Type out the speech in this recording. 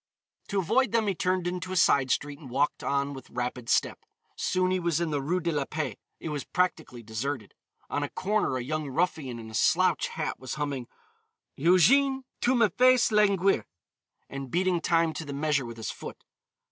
To avoid them he turned into a side street and walked on with rapid step. Soon he was in the Rue de la Paix. It was practically deserted. On a corner, a young ruffian in a slouch hat was humming, "Ugène, tu m'fais languir," and beating time to the measure with his foot.